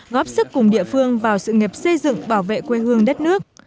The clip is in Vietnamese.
góp sức cùng địa phương vào sự nghiệp xây dựng bảo vệ quê hương đất nước